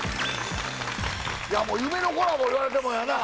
いやもう夢のコラボ言われてもやな